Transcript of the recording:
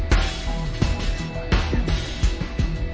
จะเลยรอมาสำเร็จ